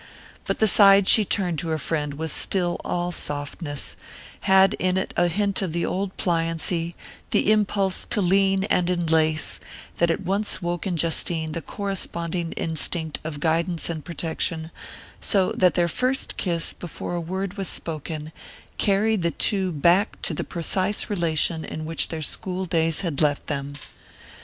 But the side she turned to her friend was still all softness had in it a hint of the old pliancy, the impulse to lean and enlace, that at once woke in Justine the corresponding instinct of guidance and protection, so that their first kiss, before a word was spoken, carried the two back to the precise relation in which their school days had left them.